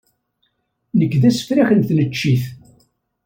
Nekk d asefrak n tneččit.